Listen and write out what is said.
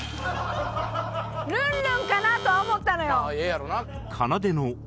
「ルンルン」かなとは思ったのよ！